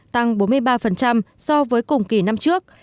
tăng bốn mươi ba so với cùng kỳ năm trước